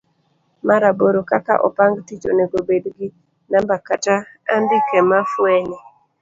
mar aboro. kaka opang tich onego obed gi namba kata andike ma fwenye.